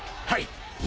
はい！